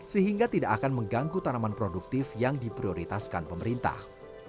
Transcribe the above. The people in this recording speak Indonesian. sehingga tidak akan mengganggu tanaman produktif yang diprioritaskan pemerintah